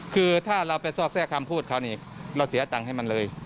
คือถ้าเราไปซอกแทรกคำพูดเขานี่เราเสียตังค์ให้มันเลย